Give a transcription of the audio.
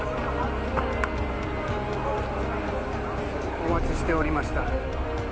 お待ちしておりました。